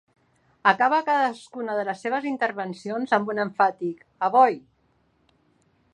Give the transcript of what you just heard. Acaba cadascuna de les seves intervencions amb un emfàtic A Voi!